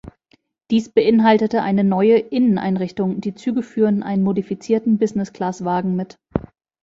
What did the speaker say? Dies beinhaltete eine neue Inneneinrichtung, die Züge führen einen modifizierten Business-Class-Wagen mit.